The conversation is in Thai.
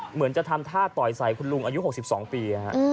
เหมือนจะทำท่าต่อยใส่คุณลุงอายุ๖๒ปี